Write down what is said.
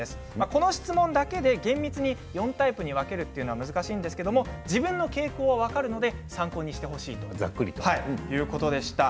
この質問だけで厳密に４タイプに分けるのは難しいんですが自分の傾向が分かるので参考にしてほしいということでした。